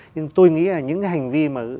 nhưng tôi nghĩ là những cái hành vi mà